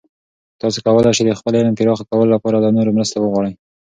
تاسې کولای سئ د خپل علم پراخه کولو لپاره له نورو مرستې وغواړئ.